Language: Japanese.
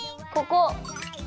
ここ。